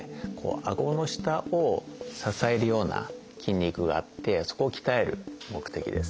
あごの下を支えるような筋肉があってそこを鍛える目的です。